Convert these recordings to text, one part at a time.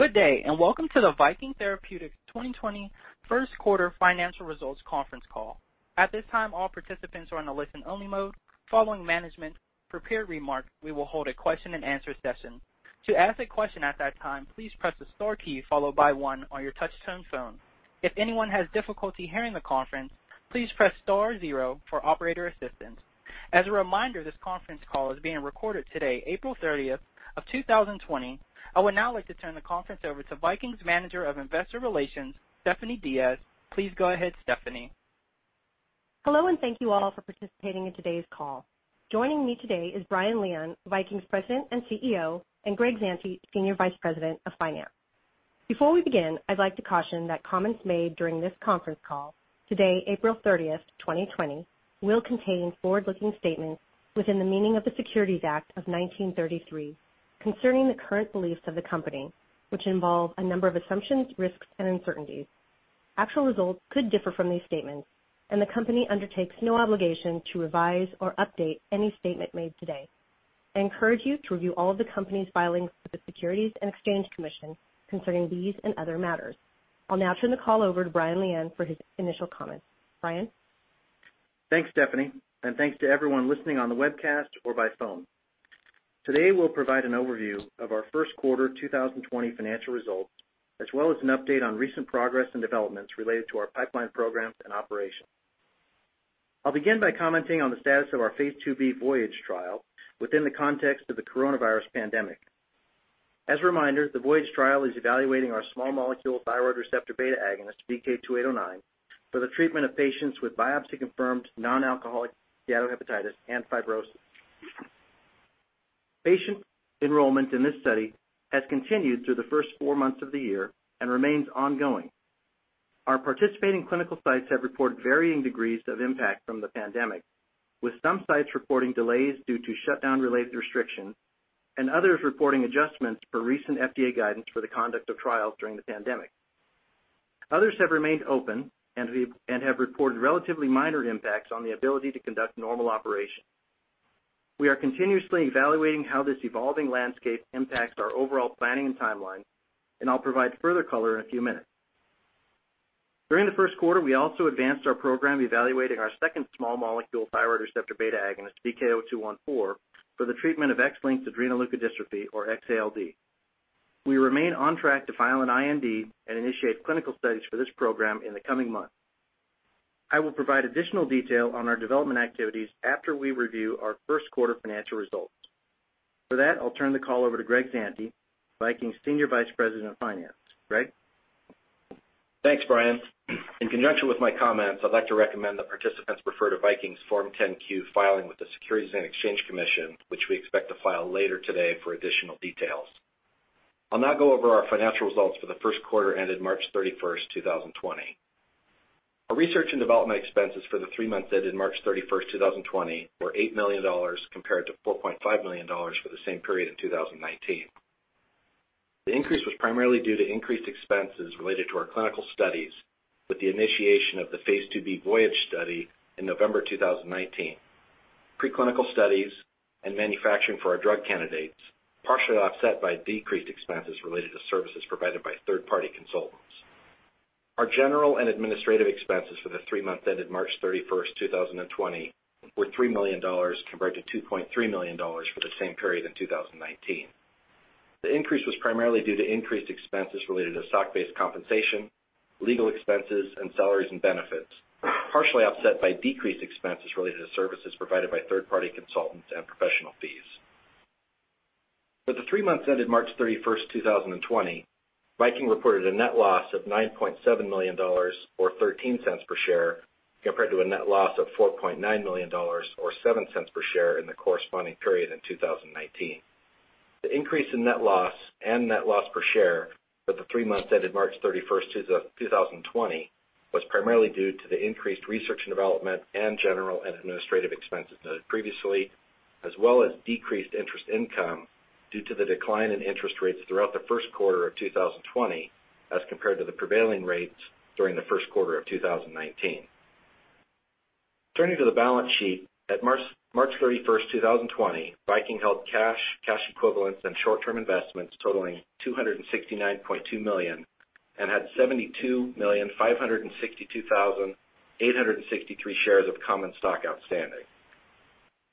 Good day. Welcome to the Viking Therapeutics 2020 first quarter financial results conference call. At this time, all participants are in a listen-only mode. Following management prepared remarks, we will hold a question-and-answer session. To ask a question at that time, please press the star key followed by one on your touchtone phone. If anyone has difficulty hearing the conference, please press star zero for operator assistance. As a reminder, this conference call is being recorded today, April 30th of 2020. I would now like to turn the conference over to Viking's Manager of Investor Relations, Stephanie Diaz. Please go ahead, Stephanie. Hello, thank you all for participating in today's call. Joining me today is Brian Lian, Viking's President and CEO, and Greg Zante, Senior Vice President of Finance. Before we begin, I'd like to caution that comments made during this conference call today, April 30th, 2020, will contain forward-looking statements within the meaning of the Securities Act of 1933 concerning the current beliefs of the Company, which involve a number of assumptions, risks, and uncertainties. Actual results could differ from these statements, and the Company undertakes no obligation to revise or update any statement made today. I encourage you to review all of the Company's filings with the Securities and Exchange Commission concerning these and other matters. I'll now turn the call over to Brian Lian for his initial comments. Brian? Thanks, Stephanie, and thanks to everyone listening on the webcast or by phone. Today, we'll provide an overview of our first quarter 2020 financial results, as well as an update on recent progress and developments related to our pipeline programs and operations. I'll begin by commenting on the status of our Phase IIb VOYAGE trial within the context of the coronavirus pandemic. As a reminder, the VOYAGE trial is evaluating our small molecule thyroid receptor beta agonist, VK2809, for the treatment of patients with biopsy-confirmed non-alcoholic steatohepatitis and fibrosis. Patient enrollment in this study has continued through the first four months of the year and remains ongoing. Our participating clinical sites have reported varying degrees of impact from the pandemic, with some sites reporting delays due to shutdown-related restrictions and others reporting adjustments per recent FDA guidance for the conduct of trials during the pandemic. Others have remained open and have reported relatively minor impacts on the ability to conduct normal operations. We are continuously evaluating how this evolving landscape impacts our overall planning and timeline, and I'll provide further color in a few minutes. During the first quarter, we also advanced our program evaluating our second small molecule thyroid receptor beta agonist, VK0214, for the treatment of X-linked adrenoleukodystrophy, or XALD. We remain on track to file an IND and initiate clinical studies for this program in the coming months. I will provide additional detail on our development activities after we review our first quarter financial results. For that, I'll turn the call over to Greg Zante, Viking's Senior Vice President of Finance. Greg? Thanks, Brian. In conjunction with my comments, I'd like to recommend that participants refer to Viking's Form 10-Q filing with the Securities and Exchange Commission, which we expect to file later today, for additional details. I'll now go over our financial results for the first quarter ended March 31, 2020. Our research and development expenses for the three months ended March 31, 2020, were $8 million, compared to $4.5 million for the same period in 2019. The increase was primarily due to increased expenses related to our clinical studies, with the initiation of the Phase IIb VOYAGE study in November 2019. Pre-clinical studies and manufacturing for our drug candidates partially offset by decreased expenses related to services provided by third-party consultants. Our general and administrative expenses for the three months ended March 31, 2020, were $3 million compared to $2.3 million for the same period in 2019. The increase was primarily due to increased expenses related to stock-based compensation, legal expenses, and salaries and benefits, partially offset by decreased expenses related to services provided by third-party consultants and professional fees. For the three months ended March 31st, 2020, Viking reported a net loss of $9.7 million or $0.13 per share, compared to a net loss of $4.9 million or $0.07 per share in the corresponding period in 2019. The increase in net loss and net loss per share for the three months ended March 31st, 2020, was primarily due to the increased research and development and general and administrative expenses noted previously, as well as decreased interest income due to the decline in interest rates throughout the first quarter of 2020 as compared to the prevailing rates during the first quarter of 2019. Turning to the balance sheet, at March 31st, 2020, Viking held cash equivalents, and short-term investments totaling $269.2 million and had 72,562,863 shares of common stock outstanding.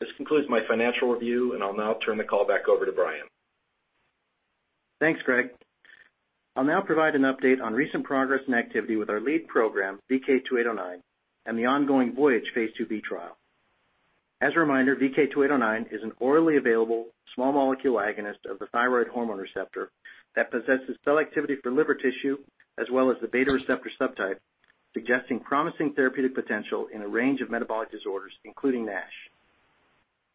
This concludes my financial review, and I'll now turn the call back over to Brian. Thanks, Greg. I'll now provide an update on recent progress and activity with our lead program, VK2809, and the ongoing VOYAGE Phase IIb trial. As a reminder, VK2809 is an orally available, small molecule agonist of the thyroid hormone receptor that possesses cell activity for liver tissue as well as the beta receptor subtype, suggesting promising therapeutic potential in a range of metabolic disorders, including NASH.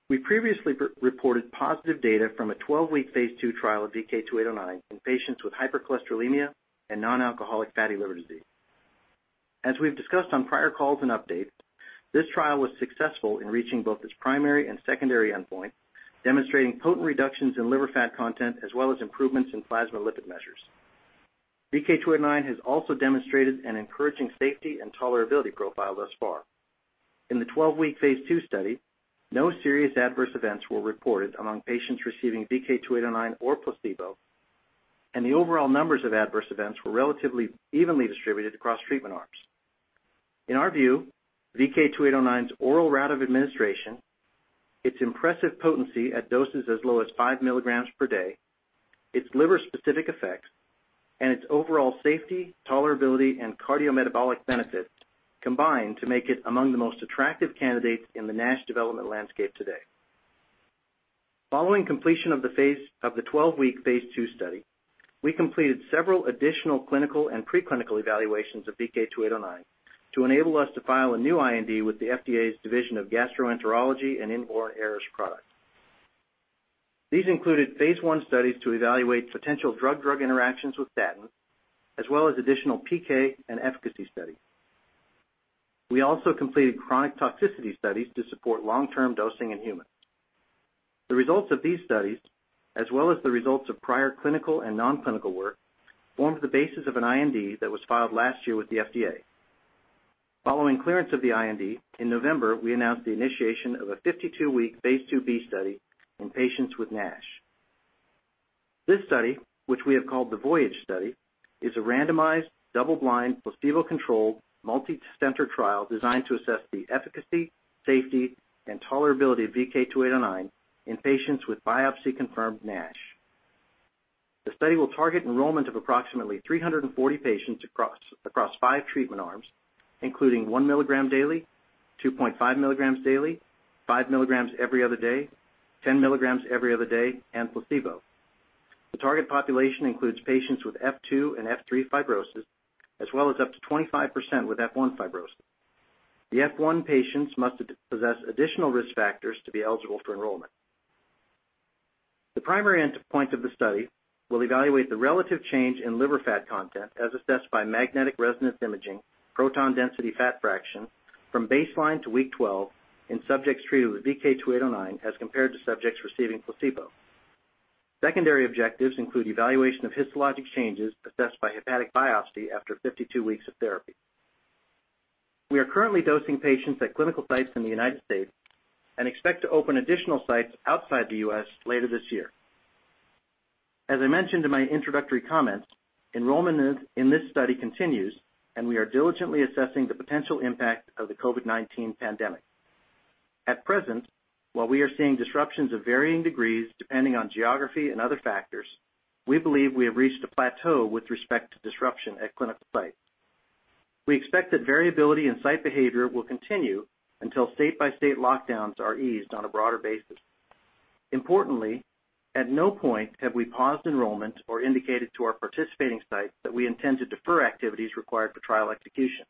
We previously reported positive data from a 12-week phase II trial of VK2809 in patients with hypercholesterolemia and non-alcoholic fatty liver disease. As we've discussed on prior calls and updates, this trial was successful in reaching both its primary and secondary endpoint, demonstrating potent reductions in liver fat content as well as improvements in plasma lipid measures. VK2809 has also demonstrated an encouraging safety and tolerability profile thus far. In the 12-week Phase II study, no serious adverse events were reported among patients receiving VK2809 or placebo, and the overall numbers of adverse events were relatively evenly distributed across treatment arms. In our view, VK2809's oral route of administration, its impressive potency at doses as low as 5 milligrams per day, its liver-specific effect, and its overall safety, tolerability, and cardiometabolic benefit combine to make it among the most attractive candidates in the NASH development landscape today. Following completion of the 12-week phase II study, we completed several additional clinical and pre-clinical evaluations of VK2809 to enable us to file a new IND with the FDA's Division of Gastroenterology and Inborn Errors Products. These included phase I studies to evaluate potential drug-drug interactions with statins, as well as additional PK and efficacy studies. We also completed chronic toxicity studies to support long-term dosing in humans. The results of these studies, as well as the results of prior clinical and non-clinical work, formed the basis of an IND that was filed last year with the FDA. Following clearance of the IND, in November, we announced the initiation of a 52-week Phase IIb study in patients with NASH. This study, which we have called the VOYAGE study, is a randomized, double-blind, placebo-controlled, multicenter trial designed to assess the efficacy, safety, and tolerability of VK2809 in patients with biopsy-confirmed NASH. The study will target enrollment of approximately 340 patients across five treatment arms, including one milligram daily, 2.5 mg daily, 5 mg every other day, 10 mg every other day, and placebo. The target population includes patients with F2 and F3 fibrosis, as well as up to 25% with F1 fibrosis. The F1 patients must possess additional risk factors to be eligible for enrollment. The primary endpoint of the study will evaluate the relative change in liver fat content as assessed by Magnetic Resonance Imaging - Proton Density Fat Fraction, from baseline to week 12 in subjects treated with VK2809 as compared to subjects receiving placebo. Secondary objectives include evaluation of histologic changes assessed by hepatic biopsy after 52 weeks of therapy. We are currently dosing patients at clinical sites in the United States and expect to open additional sites outside the U.S. later this year. As I mentioned in my introductory comments, enrollment in this study continues, and we are diligently assessing the potential impact of the COVID-19 pandemic. At present, while we are seeing disruptions of varying degrees depending on geography and other factors, we believe we have reached a plateau with respect to disruption at clinical sites. We expect that variability in site behavior will continue until state-by-state lockdowns are eased on a broader basis. Importantly, at no point have we paused enrollment or indicated to our participating sites that we intend to defer activities required for trial execution.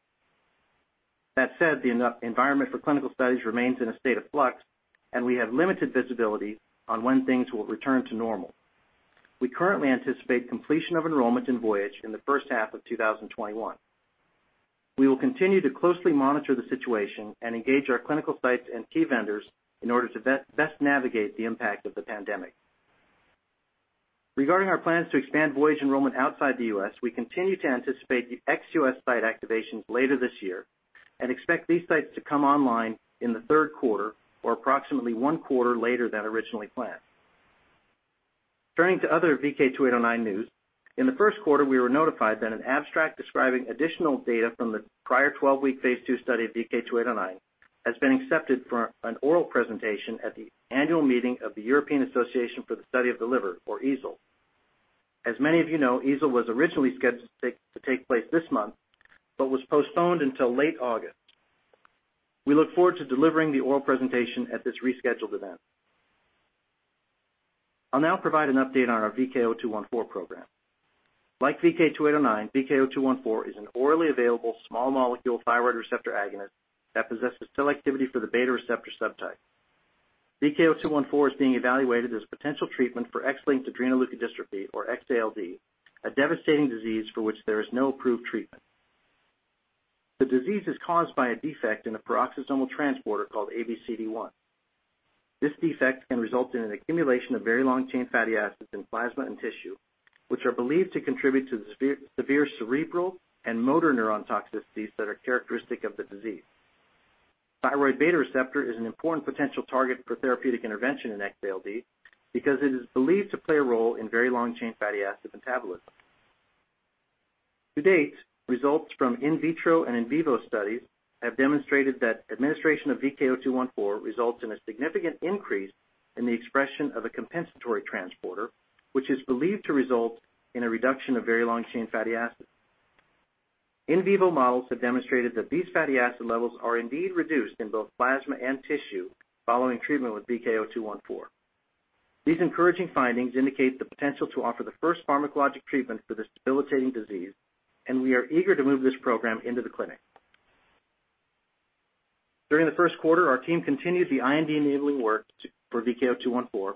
That said, the environment for clinical studies remains in a state of flux, and we have limited visibility on when things will return to normal. We currently anticipate completion of enrollment in VOYAGE in the first half of 2021. We will continue to closely monitor the situation and engage our clinical sites and key vendors in order to best navigate the impact of the pandemic. Regarding our plans to expand VOYAGE enrollment outside the U.S., we continue to anticipate the ex-U.S. site activations later this year and expect these sites to come online in the third quarter or approximately one quarter later than originally planned. Turning to other VK2809 news, in the first quarter, we were notified that an abstract describing additional data from the prior 12-week Phase II study of VK2809 has been accepted for an oral presentation at the annual meeting of the European Association for the Study of the Liver, or EASL. As many of you know, EASL was originally scheduled to take place this month, but was postponed until late August. We look forward to delivering the oral presentation at this rescheduled event. I'll now provide an update on our VK0214 program. Like VK2809, VK0214 is an orally available small molecule thyroid receptor agonist that possesses selectivity for the beta receptor subtype. VK0214 is being evaluated as a potential treatment for X-linked adrenoleukodystrophy or XALD, a devastating disease for which there is no approved treatment. The disease is caused by a defect in a peroxisomal transporter called ABCD1. This defect can result in an accumulation of very long-chain fatty acids in plasma and tissue, which are believed to contribute to the severe cerebral and motor neuron toxicities that are characteristic of the disease. thyroid beta receptor is an important potential target for therapeutic intervention in X-ALD because it is believed to play a role in very long-chain fatty acid metabolism. To date, results from in vitro and in vivo studies have demonstrated that administration of VK0214 results in a significant increase in the expression of a compensatory transporter, which is believed to result in a reduction of very long-chain fatty acids. In vivo models have demonstrated that these fatty acid levels are indeed reduced in both plasma and tissue following treatment with VK0214. These encouraging findings indicate the potential to offer the first pharmacologic treatment for this debilitating disease, and we are eager to move this program into the clinic. During the first quarter, our team continued the IND-enabling work for VK0214,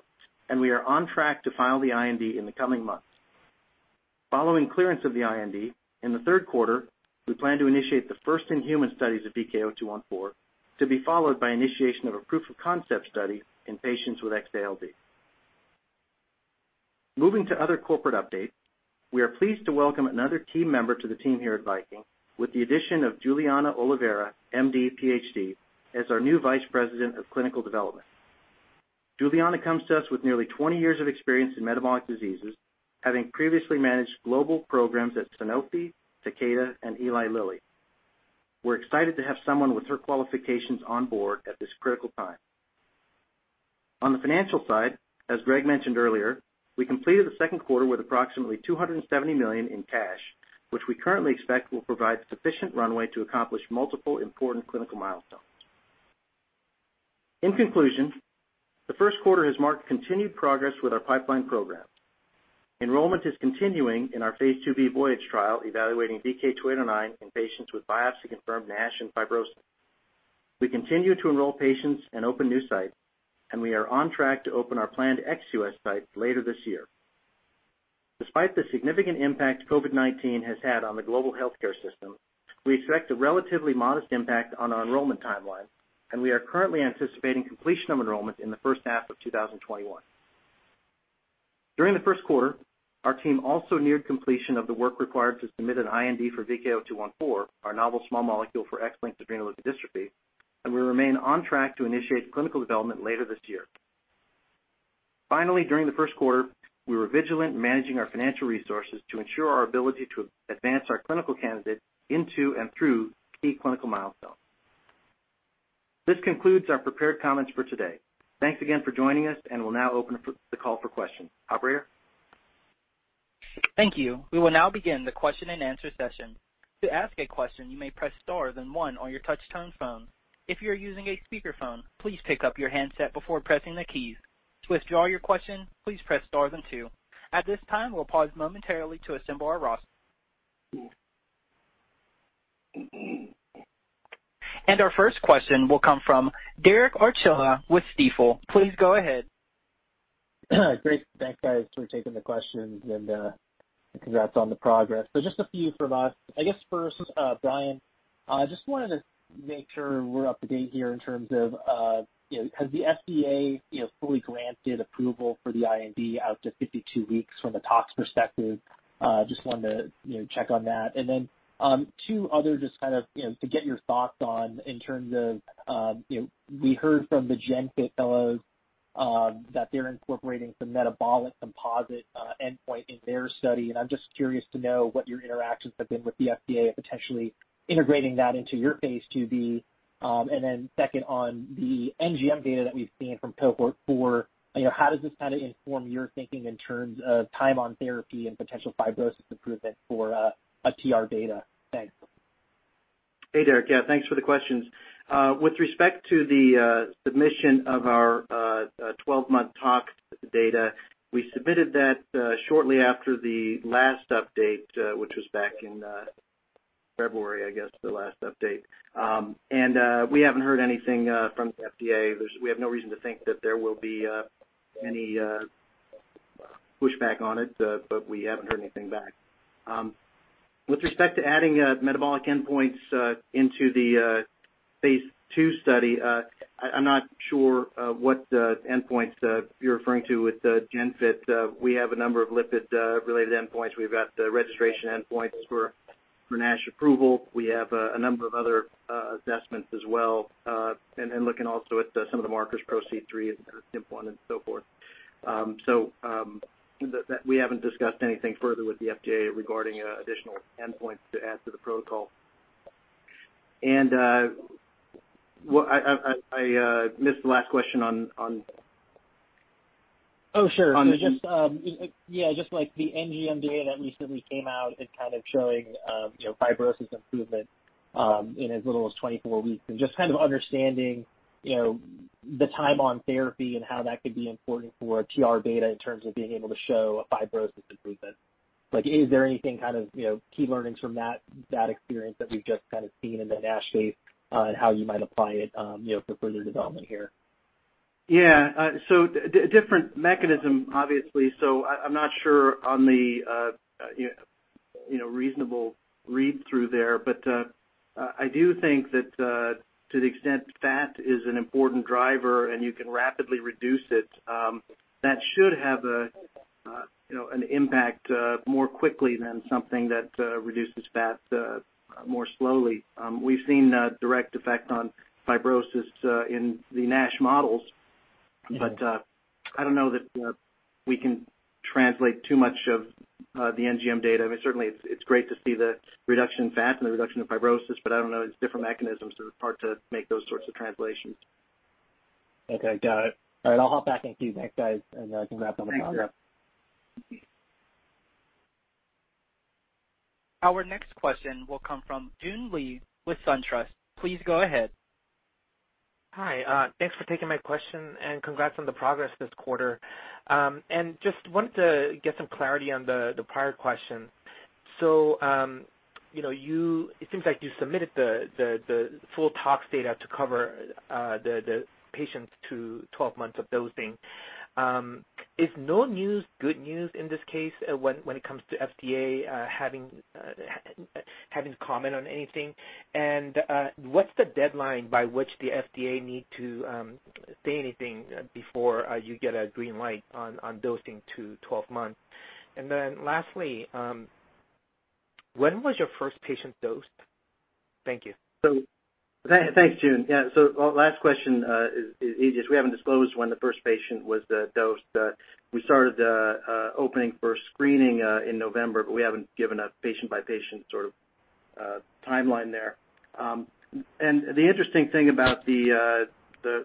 and we are on track to file the IND in the coming months. Following clearance of the IND, in the third quarter, we plan to initiate the first-in-human studies of VK0214 to be followed by initiation of a proof-of-concept study in patients with XALD. Moving to other corporate updates, we are pleased to welcome another key member to the team here at Viking, with the addition of Juliana Oliveira, MD, PhD, as our new Vice President of Clinical Development. Juliana comes to us with nearly 20 years of experience in metabolic diseases, having previously managed global programs at Sanofi, Takeda, and Eli Lilly. We're excited to have someone with her qualifications on board at this critical time. On the financial side, as Greg mentioned earlier, we completed the second quarter with approximately $270 million in cash, which we currently expect will provide sufficient runway to accomplish multiple important clinical milestones. In conclusion, the first quarter has marked continued progress with our pipeline program. Enrollment is continuing in our Phase IIb VOYAGE trial evaluating VK2809 in patients with biopsy-confirmed NASH and fibrosis. We continue to enroll patients and open new sites, and we are on track to open our planned ex-U.S. site later this year. Despite the significant impact COVID-19 has had on the global healthcare system, we expect a relatively modest impact on our enrollment timeline, and we are currently anticipating completion of enrollment in the first half of 2021. During the first quarter, our team also neared completion of the work required to submit an IND for VK0214, our novel small molecule for X-linked adrenoleukodystrophy, and we remain on track to initiate clinical development later this year. Finally, during the first quarter, we were vigilant in managing our financial resources to ensure our ability to advance our clinical candidates into and through key clinical milestones. This concludes our prepared comments for today. Thanks again for joining us, and we'll now open up the call for questions. Operator? Thank you. We will now begin the question-and-answer session. To ask a question, you may press star then one on your touch-tone phone. If you are using a speakerphone, please pick up your handset before pressing the keys. To withdraw your question, please press star then two. At this time, we'll pause momentarily to assemble our roster. Our first question will come from Derek Archila with Stifel. Please go ahead. Great. Thanks, guys, for taking the questions, congrats on the progress. Just a few from us. I guess first, Brian, just wanted to make sure we're up to date here in terms of has the FDA fully granted approval for the IND out to 52 weeks from a tox perspective? Just wanted to check on that. Then two other just to get your thoughts on in terms of, we heard from the GENFIT fellows that they're incorporating some metabolic composite endpoint in their study, I'm just curious to know what your interactions have been with the FDA potentially integrating that into your Phase IIb. Then second on the NGM data that we've seen from Cohort 4, how does this kind of inform your thinking in terms of time on therapy and potential fibrosis improvement for a TR data? Thanks. Hey, Derek. Yeah, thanks for the questions. With respect to the submission of our 12-month tox data, we submitted that shortly after the last update, which was back in February, I guess, the last update. We haven't heard anything from the FDA. We have no reason to think that there will be any pushback on it, but we haven't heard anything back. With respect to adding metabolic endpoints into the phase II study, I'm not sure what endpoints you're referring to with GENFIT. We have a number of lipid-related endpoints. We've got the registration endpoints for NASH approval. We have a number of other assessments as well, then looking also at some of the markers, PRO-C3 and TIMP-1 and so forth. We haven't discussed anything further with the FDA regarding additional endpoints to add to the protocol. I missed the last question on. Oh, sure. On the- Yeah, just like the NGM data that recently came out and kind of showing fibrosis improvement in as little as 24 weeks and just kind of understanding the time on therapy and how that could be important for TR data in terms of being able to show a fibrosis improvement. Is there anything kind of key learnings from that experience that we've just kind of seen in the NASH space, and how you might apply it for further development here? Yeah. Different mechanism, obviously. I'm not sure on the reasonable read through there, but I do think that to the extent fat is an important driver and you can rapidly reduce it, that should have an impact more quickly than something that reduces fat more slowly. We've seen a direct effect on fibrosis in the NASH models, but I don't know that we can translate too much of the NGM data. Certainly, it's great to see the reduction in fat and the reduction of fibrosis, but I don't know, it's different mechanisms, so it's hard to make those sorts of translations. Okay, got it. All right, I'll hop back in queue. Thanks, guys, and congrats on the progress. Thank you. Our next question will come from Joon Lee with SunTrust. Please go ahead. Hi. Thanks for taking my question. Congrats on the progress this quarter. Just wanted to get some clarity on the prior question. It seems like you submitted the full tox data to cover the patients to 12 months of dosing. Is no news good news in this case when it comes to FDA having to comment on anything? What's the deadline by which the FDA need to say anything before you get a green light on dosing to 12 months? When was your first patient dosed? Thank you. Thanks, Joon. Last question is easy. We haven't disclosed when the first patient was dosed. We started the opening for screening in November, but we haven't given a patient-by-patient sort of timeline there. The interesting thing about the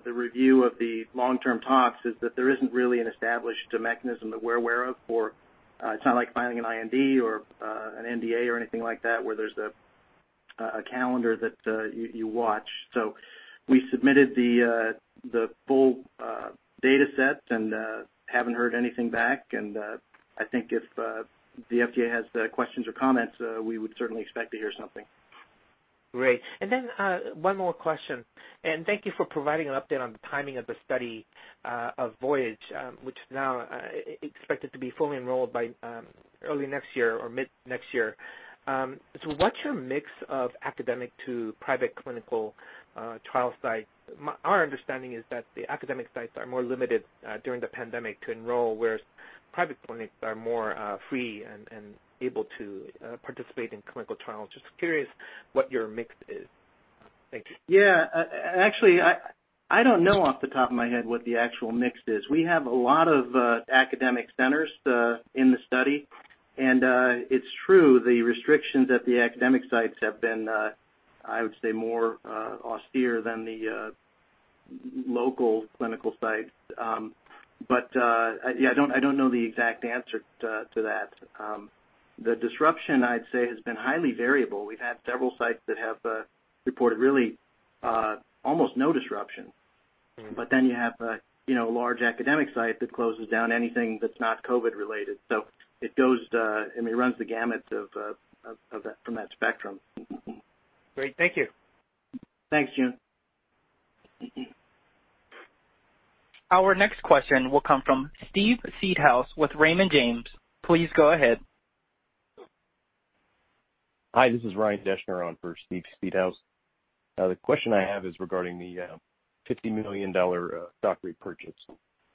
review of the long-term tox is that there isn't really an established mechanism that we're aware of. It's not like filing an IND or an NDA or anything like that, where there's a calendar that you watch. We submitted the full data set and haven't heard anything back. I think if the FDA has questions or comments, we would certainly expect to hear something. Great. One more question, and thank you for providing an update on the timing of the study of VOYAGE, which now is expected to be fully enrolled by early next year or mid next year. What's your mix of academic to private clinical trial sites? Our understanding is that the academic sites are more limited during the pandemic to enroll, whereas private clinics are more free and able to participate in clinical trials. Just curious what your mix is. Thank you. Yeah. Actually, I don't know off the top of my head what the actual mix is. We have a lot of academic centers in the study, and it's true, the restrictions at the academic sites have been, I would say, more austere than the local clinical sites. Yeah, I don't know the exact answer to that. The disruption, I'd say, has been highly variable. We've had several sites that have reported really almost no disruption. You have a large academic site that closes down anything that's not COVID related. It goes, I mean, it runs the gamut from that spectrum. Great. Thank you. Thanks, Joon. Our next question will come from Steve Seedhouse with Raymond James. Please go ahead. Hi, this is Ryan Deschner on for Steve Seedhouse. The question I have is regarding the $50 million stock repurchase.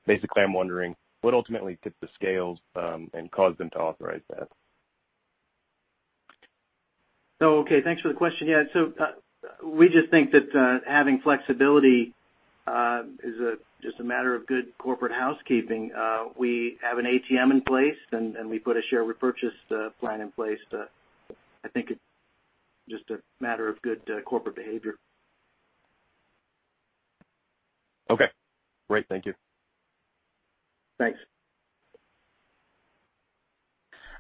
Basically, I am wondering what ultimately tipped the scales and caused them to authorize that. Okay. Thanks for the question. Yeah, we just think that having flexibility is just a matter of good corporate housekeeping. We have an ATM in place, and we put a share repurchase plan in place to, I think, it's just a matter of good corporate behavior. Okay, great. Thank you. Thanks.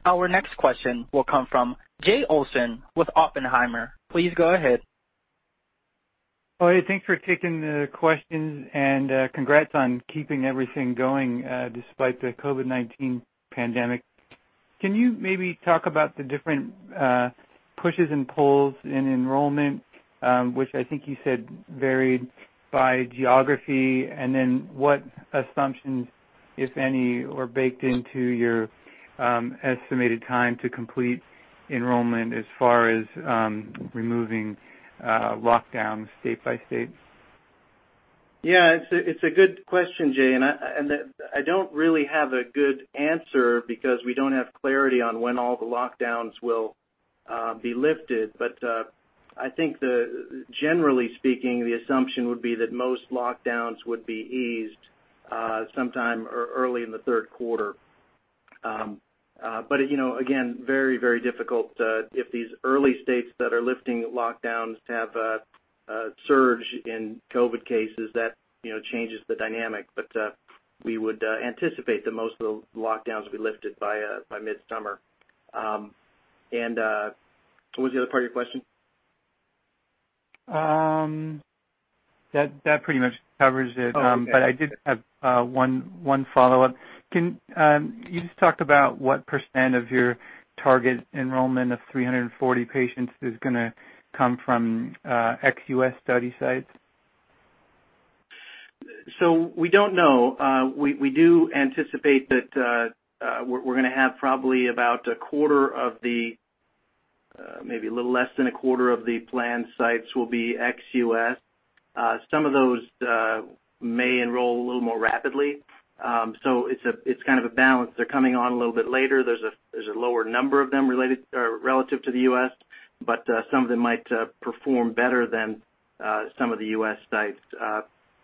Our next question will come from Jay Olson with Oppenheimer. Please go ahead. Oh, yeah. Thanks for taking the questions, and congrats on keeping everything going despite the COVID-19 pandemic. Can you maybe talk about the different pushes and pulls in enrollment, which I think you said varied by geography? What assumptions, if any, were baked into your estimated time to complete enrollment as far as removing lockdowns state by state? Yeah, it's a good question, Jay, and I don't really have a good answer because we don't have clarity on when all the lockdowns will be lifted. I think that generally speaking, the assumption would be that most lockdowns would be eased sometime early in the third quarter. Again, very difficult if these early states that are lifting lockdowns have a surge in COVID cases that changes the dynamic. We would anticipate that most of the lockdowns will be lifted by midsummer. What was the other part of your question? That pretty much covers it. Oh, okay. I did have one follow-up. You just talked about what percent of your target enrollment of 340 patients is going to come from ex-U.S. study sites. We don't know. We do anticipate that we're going to have probably about a quarter of the, maybe a little less than a quarter of the planned sites will be ex-U.S. Some of those may enroll a little more rapidly. It's kind of a balance. They're coming on a little bit later. There's a lower number of them relative to the U.S., but some of them might perform better than some of the U.S. sites.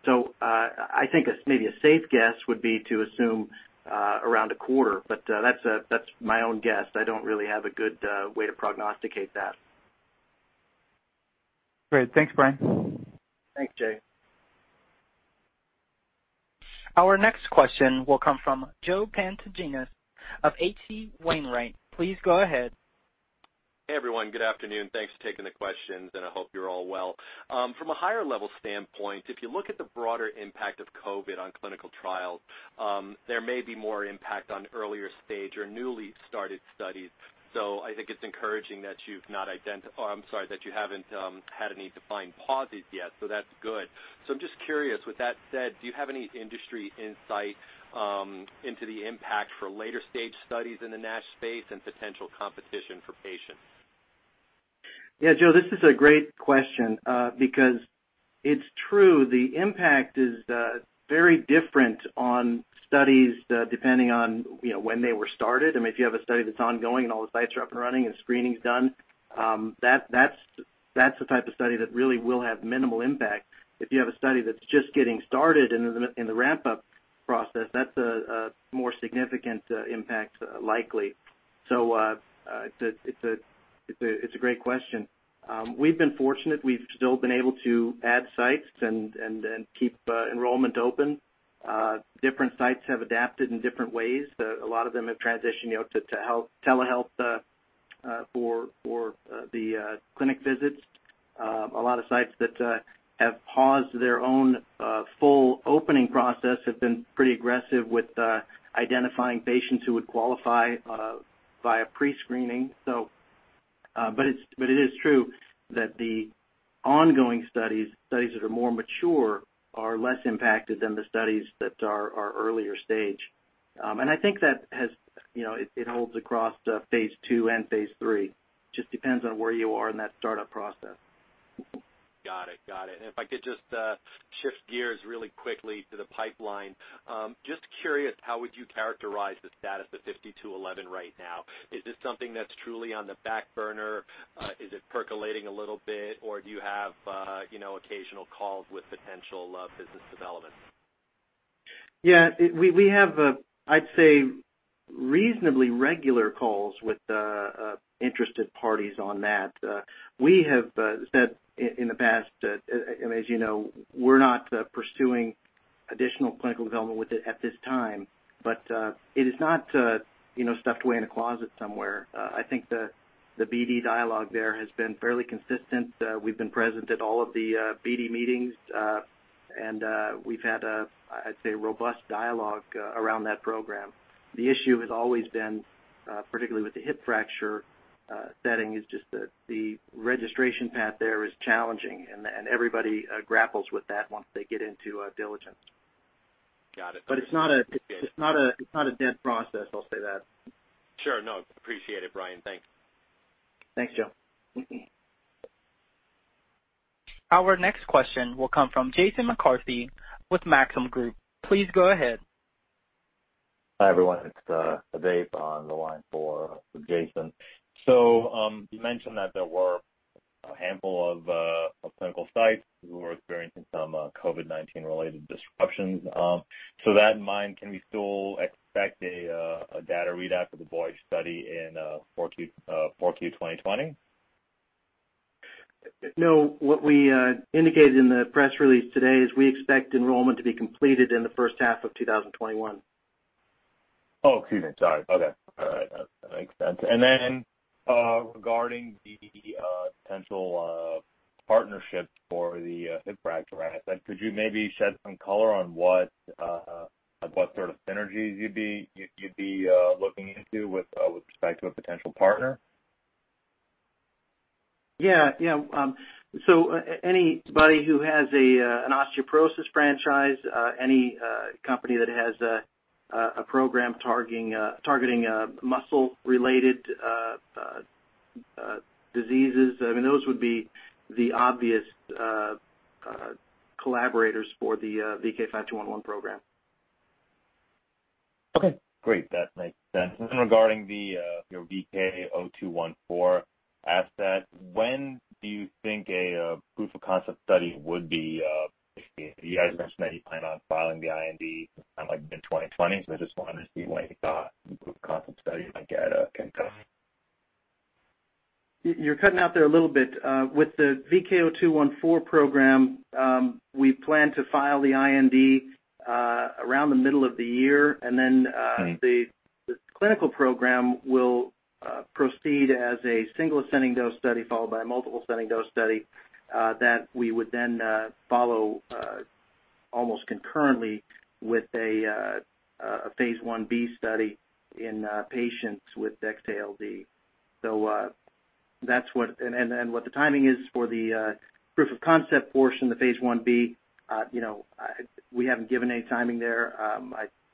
I think maybe a safe guess would be to assume around a quarter. That's my own guess. I don't really have a good way to prognosticate that. Great. Thanks, Brian. Thanks, Jay. Our next question will come from Joe Pantginis of H.C. Wainwright. Please go ahead. Hey, everyone. Good afternoon. Thanks for taking the questions, and I hope you're all well. From a higher-level standpoint, if you look at the broader impact of COVID-19 on clinical trials, there may be more impact on earlier-stage or newly started studies. I think it's encouraging that you haven't had any defined pauses yet. That's good. I'm just curious. With that said, do you have any industry insight into the impact for later-stage studies in the NASH space and potential competition for patients? Joe, this is a great question because it's true. The impact is very different on studies depending on when they were started. If you have a study that's ongoing and all the sites are up and running and screening's done, that's the type of study that really will have minimal impact. If you have a study that's just getting started and in the ramp-up process, that's a more significant impact likely. It's a great question. We've been fortunate. We've still been able to add sites and keep enrollment open. Different sites have adapted in different ways. A lot of them have transitioned to telehealth for the clinic visits. A lot of sites that have paused their own full opening process have been pretty aggressive with identifying patients who would qualify via pre-screening. It is true that the ongoing studies that are more mature, are less impacted than the studies that are earlier stage. I think that it holds across Phase II and Phase III. Just depends on where you are in that startup process. Got it. If I could just shift gears really quickly to the pipeline. Just curious, how would you characterize the status of 5211 right now? Is this something that's truly on the back burner? Is it percolating a little bit? Do you have occasional calls with potential business developments? Yeah. We have, I'd say, reasonably regular calls with interested parties on that. We have said in the past that, and as you know, we're not pursuing additional clinical development with it at this time. It is not stuffed away in a closet somewhere. I think the BD dialogue there has been fairly consistent. We've been present at all of the BD meetings, and we've had a, I'd say, robust dialogue around that program. The issue has always been, particularly with the hip fracture setting, is just that the registration path there is challenging, and everybody grapples with that once they get into diligence. Got it. It's not a dead process, I'll say that. Sure. No, appreciate it, Brian. Thanks. Thanks, Joe. Our next question will come from Jason McCarthy with Maxim Group. Please go ahead. Hi, everyone. It's Dave on the line for Jason. You mentioned that there were a handful of clinical sites who were experiencing some COVID-19 related disruptions. That in mind, can we still expect a data readout for the VOYAGE study in 4Q 2020? No. What we indicated in the press release today is we expect enrollment to be completed in the first half of 2021. Oh, excuse me. Sorry. Okay. All right. That makes sense. Regarding the potential partnership for the hip fracture asset, could you maybe shed some color on what sort of synergies you'd be looking into with respect to a potential partner? Yeah. Anybody who has an osteoporosis franchise, any company that has a program targeting muscle-related diseases, those would be the obvious collaborators for the VK5211 program. Okay, great. That makes sense. Regarding the VK0214 asset, when do you think a proof of concept study would be? You guys mentioned that you plan on filing the IND sometime in mid-2020, I just wanted to see what you thought the proof of concept study might get at KTA. You're cutting out there a little bit. With the VK0214 program, we plan to file the IND around the middle of the year. Right. The clinical program will proceed as a single ascending dose study followed by a multiple ascending dose study that we would then follow almost concurrently with a Phase Ib study in patients with X-ALD. What the timing is for the proof of concept portion, the Phase Ib, we haven't given any timing there.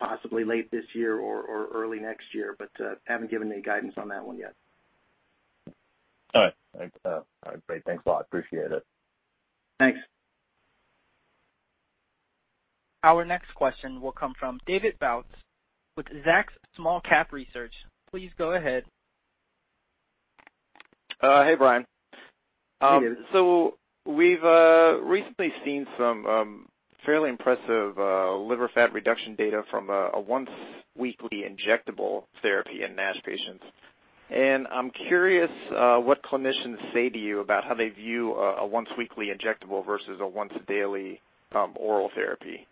Possibly late this year or early next year, haven't given any guidance on that one yet. All right. Great. Thanks a lot. Appreciate it. Thanks. Our next question will come from David Bautz with Zacks Small-Cap Research. Please go ahead. Hey, Brian. Hey, David. We've recently seen some fairly impressive liver fat reduction data from a once weekly injectable therapy in NASH patients. I'm curious what clinicians say to you about how they view a once weekly injectable versus a once-daily oral therapy.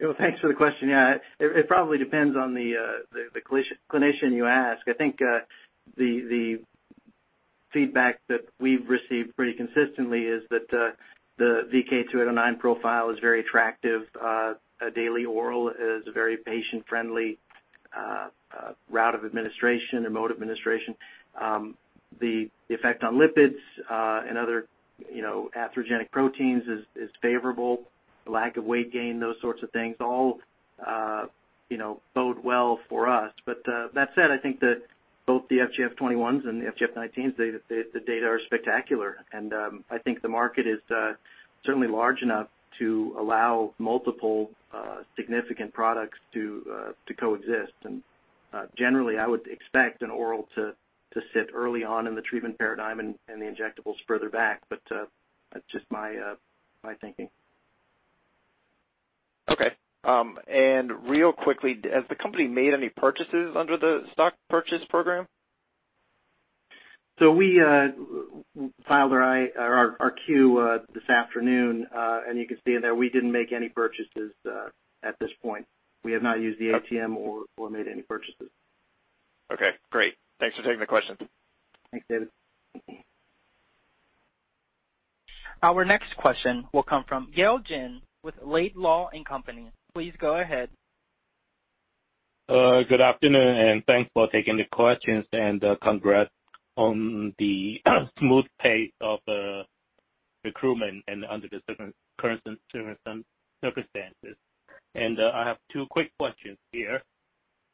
Well, thanks for the question. Yeah. It probably depends on the clinician you ask. I think the feedback that we've received pretty consistently is that the VK2809 profile is very attractive. A daily oral is a very patient-friendly route of administration or mode of administration. The effect on lipids and other atherogenic proteins is favorable. Lack of weight gain, those sorts of things, all bode well for us. That said, I think that both the FGF21s and the FGF19s, the data are spectacular, and I think the market is certainly large enough to allow multiple significant products to coexist. Generally, I would expect an oral to sit early on in the treatment paradigm and the injectables further back, but that's just my thinking. Okay. Real quickly, has the company made any purchases under the stock purchase program? We filed our Q this afternoon. You can see in there we didn't make any purchases at this point. We have not used the ATM or made any purchases. Okay, great. Thanks for taking the question. Thanks, David. Our next question will come from Yale Jen with Laidlaw & Company. Please go ahead. Good afternoon. Thanks for taking the questions, and congrats on the smooth pace of recruitment under the current circumstances. I have two quick questions here.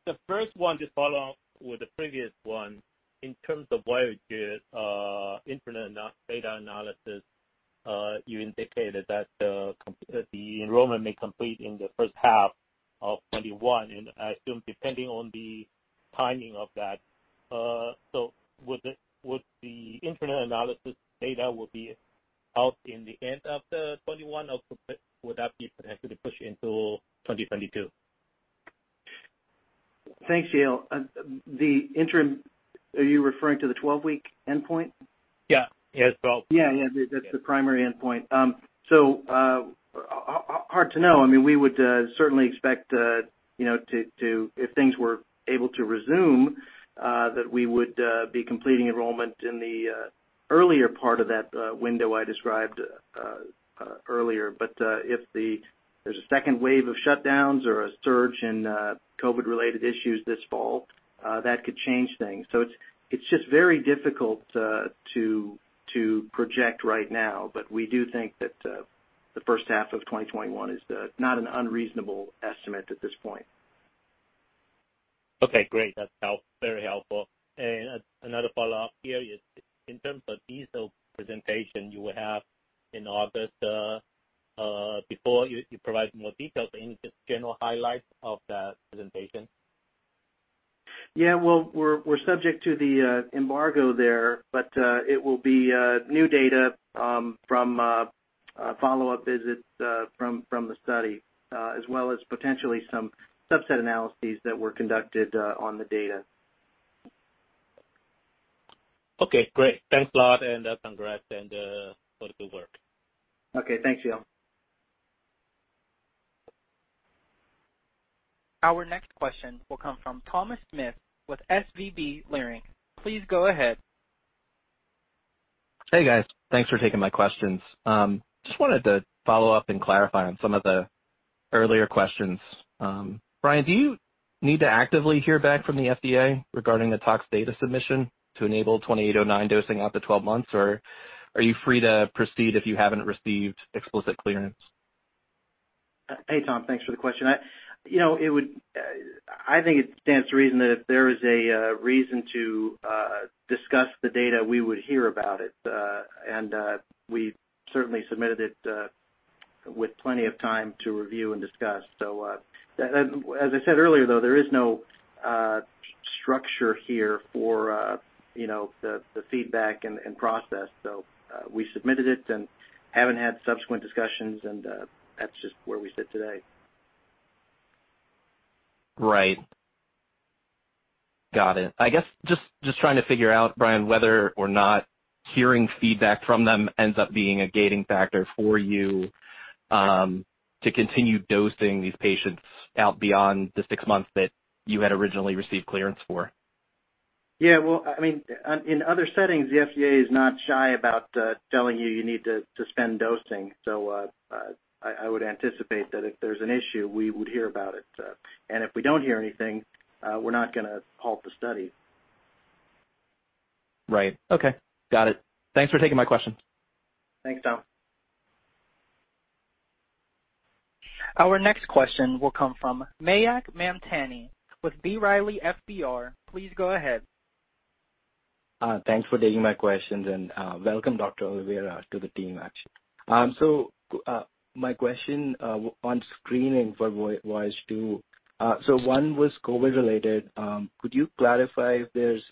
The first one, to follow up with the previous one, in terms of what is your interim data analysis, you indicated that the enrollment may complete in the first half of 2021, and I assume depending on the timing of that. Would the interim analysis data will be out in the end of 2021, or would that be potentially pushed into 2022? Thanks, Yale. The interim, are you referring to the 12-week endpoint? Yeah. Yes, 12. Yeah. That's the primary endpoint. Hard to know. We would certainly expect to, if things were able to resume, that we would be completing enrollment in the earlier part of that window I described earlier. If there's a second wave of shutdowns or a surge in COVID-related issues this fall, that could change things. It's just very difficult to project right now, but we do think that the first half of 2021 is not an unreasonable estimate at this point. Okay, great. That's very helpful. Another follow-up here. In terms of EASL presentation you will have in August, before you provide more details, any just general highlights of that presentation? Yeah. Well, we're subject to the embargo there, but it will be new data from follow-up visits from the study, as well as potentially some subset analyses that were conducted on the data. Okay, great. Thanks a lot, and congrats for the good work. Okay. Thanks, Yale. Our next question will come from Thomas Smith with SVB Leerink. Please go ahead. Hey, guys. Thanks for taking my questions. Just wanted to follow up and clarify on some of the earlier questions. Brian, do you need to actively hear back from the FDA regarding the tox data submission to enable 2809 dosing up to 12 months, or are you free to proceed if you haven't received explicit clearance? Hey, Tom. Thanks for the question. I think it stands to reason that if there is a reason to discuss the data, we would hear about it. We certainly submitted it with plenty of time to review and discuss. As I said earlier, though, there is no structure here for the feedback and process. We submitted it and haven't had subsequent discussions, and that's just where we sit today. Right. Got it. I guess, just trying to figure out, Brian, whether or not hearing feedback from them ends up being a gating factor for you to continue dosing these patients out beyond the six months that you had originally received clearance for. Yeah. Well, in other settings, the FDA is not shy about telling you you need to suspend dosing. I would anticipate that if there's an issue, we would hear about it. If we don't hear anything, we're not going to halt the study. Right. Okay. Got it. Thanks for taking my question. Thanks, Tom. Our next question will come from Mayank Mamtani with B. Riley FBR. Please go ahead. Thanks for taking my questions. Welcome Dr. Oliveira to the team, actually. My question on screening was two. One was COVID related. Could you clarify if there's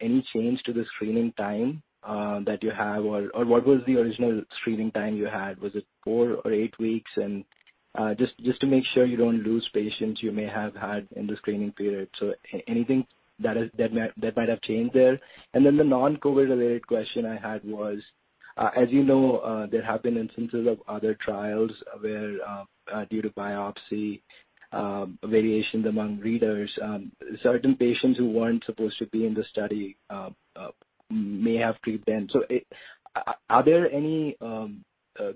any change to the screening time that you have, or what was the original screening time you had? Was it four or eight weeks? Just to make sure you don't lose patients you may have had in the screening period. Anything that might have changed there? The non-COVID related question I had was, as you know, there have been instances of other trials where, due to biopsy variations among readers, certain patients who weren't supposed to be in the study may have creeped in. Are there any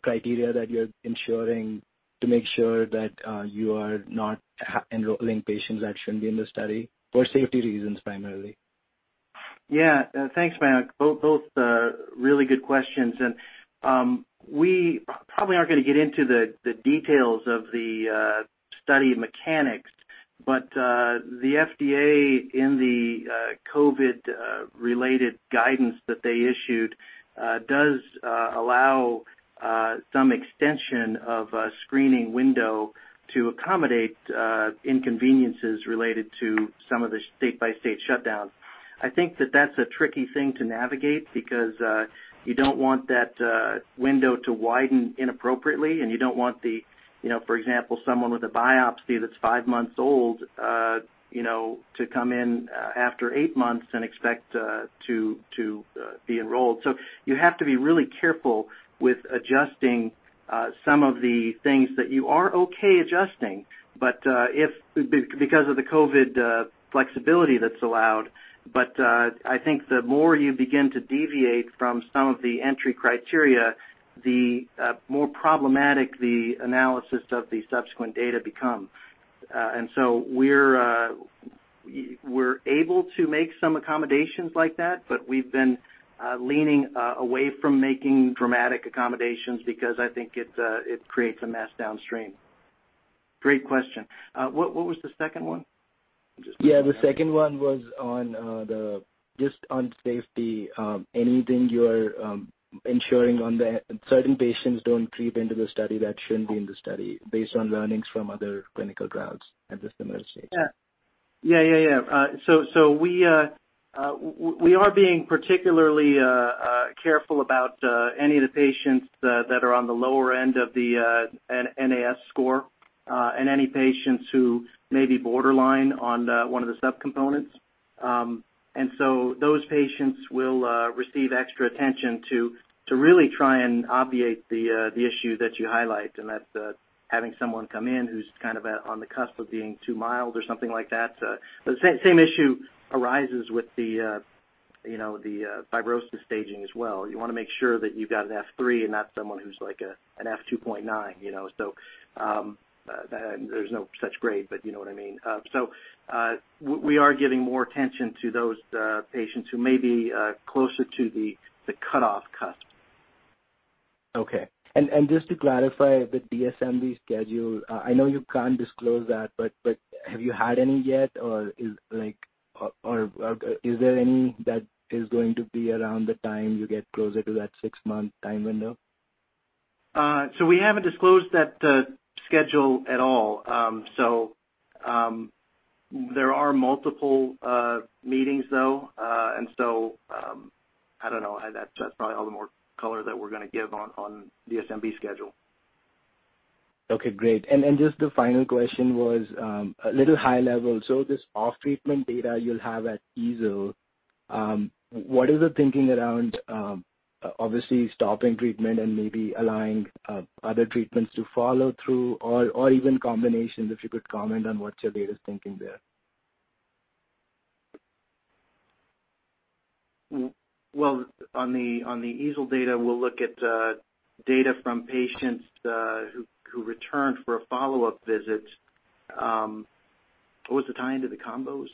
criteria that you're ensuring to make sure that you are not enrolling patients that shouldn't be in the study, for safety reasons primarily? Yeah. Thanks, Mayank. Both really good questions. We probably aren't going to get into the details of the study mechanics, but the FDA in the COVID related guidance that they issued does allow some extension of a screening window to accommodate inconveniences related to some of the state-by-state shutdowns. I think that that's a tricky thing to navigate because you don't want that window to widen inappropriately, and you don't want, for example, someone with a biopsy that's five months old to come in after eight months and expect to be enrolled. You have to be really careful with adjusting some of the things that you are okay adjusting because of the COVID flexibility that's allowed. I think the more you begin to deviate from some of the entry criteria, the more problematic the analysis of the subsequent data become. We're able to make some accommodations like that, but we've been leaning away from making dramatic accommodations because I think it creates a mess downstream. Great question. What was the second one? Yeah, the second one was just on safety. Anything you're ensuring on that certain patients don't creep into the study that shouldn't be in the study based on learnings from other clinical trials at this similar stage? Yeah. We are being particularly careful about any of the patients that are on the lower end of the NAS score, and any patients who may be borderline on one of the subcomponents. Those patients will receive extra attention to really try and obviate the issue that you highlight and that's having someone come in who's kind of on the cusp of being too mild or something like that. The same issue arises with the fibrosis staging as well. You want to make sure that you've got an F3 and not someone who's like an F2.9. There's no such grade, you know what I mean. We are giving more attention to those patients who may be closer to the cutoff cusp. Okay. Just to clarify, the DSMB schedule, I know you can't disclose that, but have you had any yet? Is there any that is going to be around the time you get closer to that six-month time window? We haven't disclosed that schedule at all. There are multiple meetings, though. I don't know. That's probably all the more color that we're going to give on DSMB schedule. Okay, great. Just the final question was a little high level. This off-treatment data you'll have at EASL, what is the thinking around obviously stopping treatment and maybe allowing other treatments to follow through or even combinations? If you could comment on what's your latest thinking there. Well, on the EASL data, we'll look at data from patients who returned for a follow-up visit. What was the tie-in to the combos?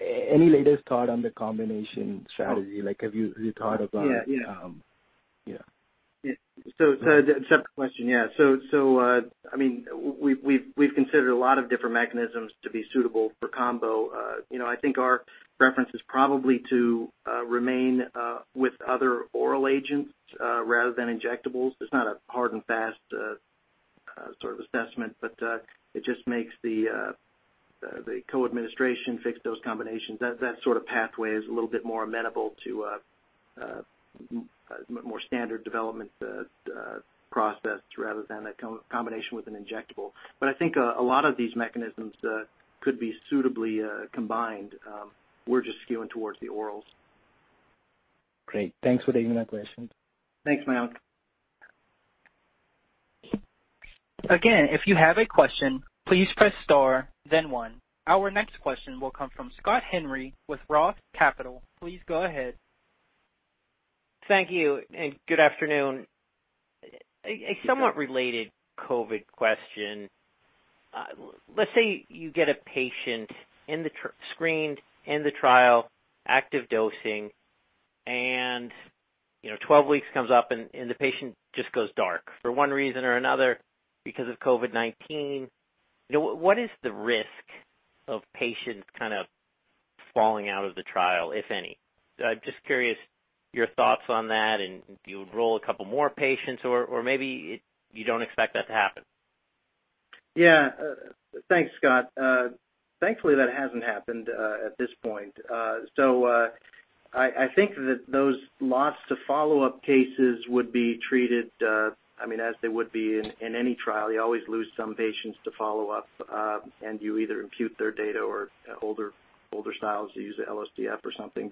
Any latest thought on the combination strategy? Yeah. Yeah. It's a separate question. Yeah. We've considered a lot of different mechanisms to be suitable for combo. I think our reference is probably to remain with other oral agents rather than injectables. It's not a hard and fast sort of assessment, but it just makes the co-administration fix those combinations. That sort of pathway is a little bit more amenable to more standard development process rather than a combination with an injectable. I think a lot of these mechanisms could be suitably combined. We're just skewing towards the orals. Great. Thanks for taking that question. Thanks, Mayank. Again, if you have a question, please press star then one. Our next question will come from Scott Henry with Roth Capital. Please go ahead. Thank you, and good afternoon. A somewhat related COVID-19 question. Let's say you get a patient screened in the trial, active dosing, and 12 weeks comes up and the patient just goes dark for one reason or another because of COVID-19. What is the risk of patients kind of falling out of the trial, if any? I'm just curious your thoughts on that and do you enroll a couple more patients or maybe you don't expect that to happen? Yeah. Thanks, Scott. Thankfully, that hasn't happened at this point. I think that those lost to follow-up cases would be treated as they would be in any trial. You always lose some patients to follow-up, and you either impute their data or older styles, you use the LOCF or something.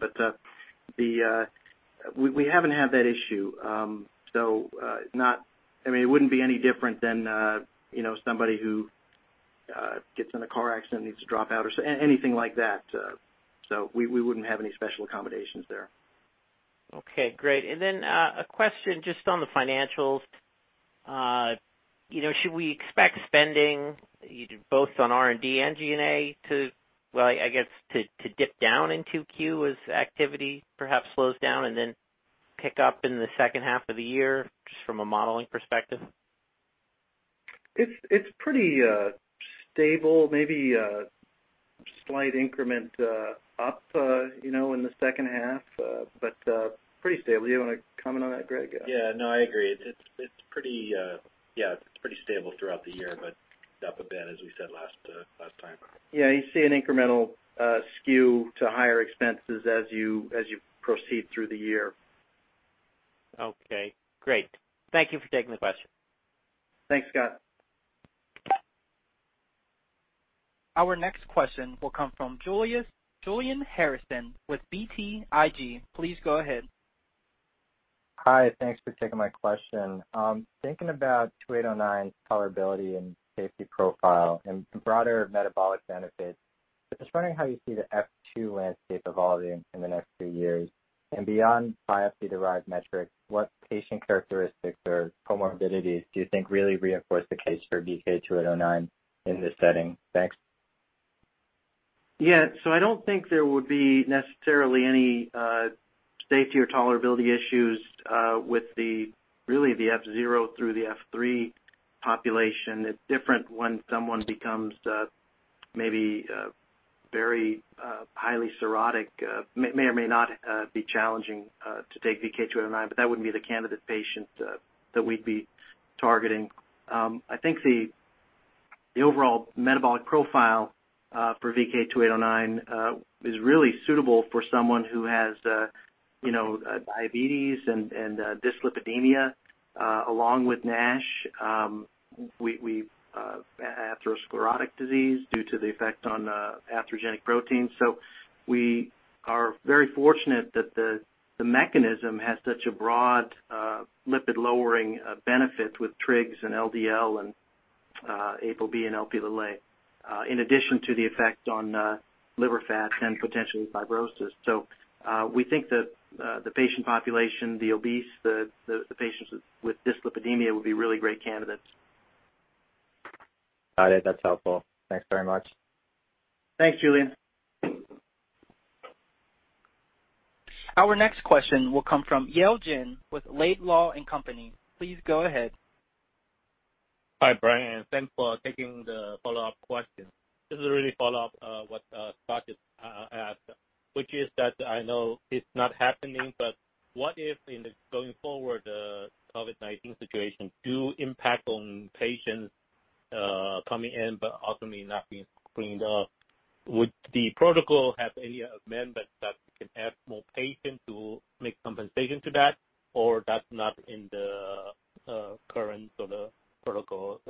We haven't had that issue. It wouldn't be any different than somebody who gets in a car accident, needs to drop out or anything like that. We wouldn't have any special accommodations there. Okay, great. A question just on the financials. Should we expect spending both on R&D and G&A to, well, I guess, to dip down in 2Q as activity perhaps slows down and then pick up in the second half of the year, just from a modeling perspective? It's pretty stable, maybe a slight increment up in the second half, but pretty stable. You want to comment on that, Greg? Yeah. No, I agree. It's pretty stable throughout the year, but up a bit as we said last time. Yeah, you see an incremental skew to higher expenses as you proceed through the year. Okay, great. Thank you for taking the question. Thanks, Scott. Our next question will come from Julian Harrison with BTIG. Please go ahead. Hi. Thanks for taking my question. Thinking about VK2809 tolerability and safety profile and broader metabolic benefits, just wondering how you see the F2 landscape evolving in the next few years and beyond biopsy-derived metrics, what patient characteristics or comorbidities do you think really reinforce the case for VK2809 in this setting? Thanks. I don't think there would be necessarily any safety or tolerability issues with really the F0 through the F3 population. It's different when someone becomes maybe very highly cirrhotic. May or may not be challenging to take VK2809, but that wouldn't be the candidate patient that we'd be targeting. I think the overall metabolic profile for VK2809 is really suitable for someone who has diabetes and dyslipidemia along with NASH, atherosclerotic disease due to the effect on atherogenic proteins. We are very fortunate that the mechanism has such a broad lipid-lowering benefit with trigs and LDL and ApoB and Lp(a), in addition to the effect on liver fat and potentially fibrosis. We think that the patient population, the obese, the patients with dyslipidemia would be really great candidates. Got it. That's helpful. Thanks very much. Thanks, Julian. Our next question will come from Yale Jen with Laidlaw & Company. Please go ahead. Hi, Brian. Thanks for taking the follow-up question. This is really a follow-up what Scott just asked, which is that I know it's not happening, but what if in the going forward COVID-19 situation do impact on patients coming in but ultimately not being screened up, would the protocol have any amendment that can add more patients to make compensation to that, or that's not in the current sort of protocol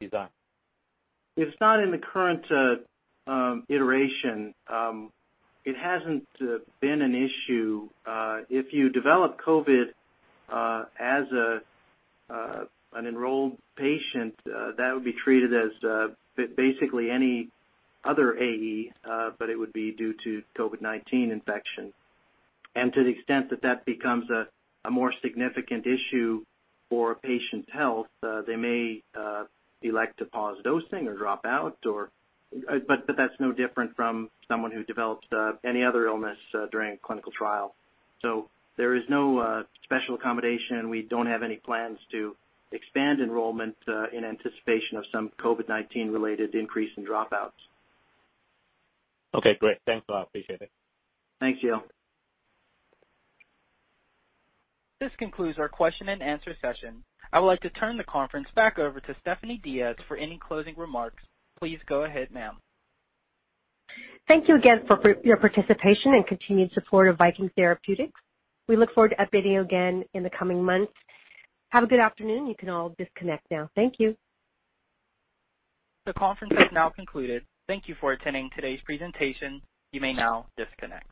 design? It's not in the current iteration. It hasn't been an issue. If you develop COVID as an enrolled patient, that would be treated as basically any other AE, but it would be due to COVID-19 infection. To the extent that that becomes a more significant issue for a patient's health, they may elect to pause dosing or drop out. That's no different from someone who develops any other illness during a clinical trial. There is no special accommodation. We don't have any plans to expand enrollment in anticipation of some COVID-19 related increase in dropouts. Okay, great. Thanks a lot. Appreciate it. Thanks, Yale. This concludes our question-and-answer session. I would like to turn the conference back over to Stephanie Diaz for any closing remarks. Please go ahead, ma'am. Thank you again for your participation and continued support of Viking Therapeutics. We look forward to updating you again in the coming months. Have a good afternoon. You can all disconnect now. Thank you. The conference has now concluded. Thank you for attending today's presentation. You may now disconnect.